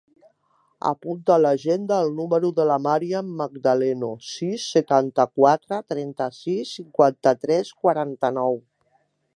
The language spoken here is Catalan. Apunta a l'agenda el número de la Màriam Magdaleno: sis, setanta-quatre, trenta-sis, cinquanta-tres, quaranta-nou.